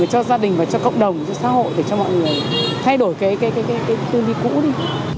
cho gia đình và cho cộng đồng cho xã hội để cho mọi người thay đổi cái tư duy cũ đi